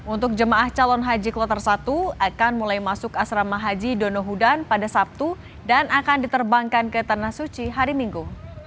untuk jemaah calon haji kloter satu akan mulai masuk asrama haji donohudan pada sabtu dan akan diterbangkan ke tanah suci hari minggu